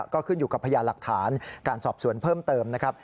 ก็ขึ้นอยู่กับพยานหลักฐานการสอบสวนเพิ่มเติมนะครับ